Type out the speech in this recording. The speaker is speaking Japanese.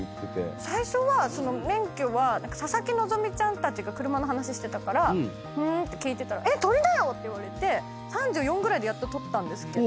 最初は免許は佐々木希ちゃんたちが車の話してたからふーんって聞いてたら「取りなよ！」って言われて３４ぐらいで取ったんですけど。